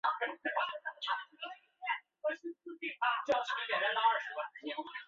摩诃末把他的军队分散在锡尔河一线与中亚河中地区的各设防地区之间。